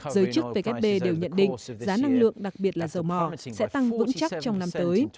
giới chức vkp đều nhận định giá năng lượng đặc biệt là dầu mò sẽ tăng vững chắc trong năm tới